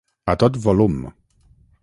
A tot volum.